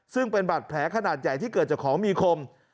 ซึ่งเป็นบาดแผลขนาดใหญ่ที่เกิดจากของมีคม